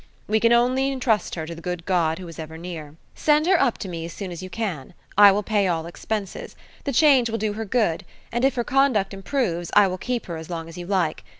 We can only entrust her to the good God who is ever near. Send her up to me as soon as you can. I will pay all expenses. The change will do her good, and if her conduct improves, I will keep her as long as you like.